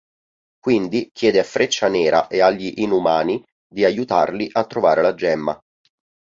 Quindi chiede a Freccia Nera e agli Inumani di aiutarli a trovare la gemma.